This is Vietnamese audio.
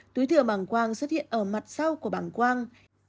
túi thừa bằng quang xuất hiện ở mặt sau của bằng quang